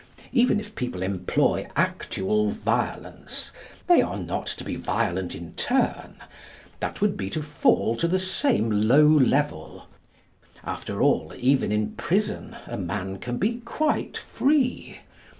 Even if people employ actual violence, they are not to be violent in turn. That would be to fall to the same low level. After all, even in prison, a man can be quite free.